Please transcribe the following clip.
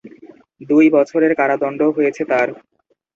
দুই বছরের কারাদণ্ড হয়েছে তার।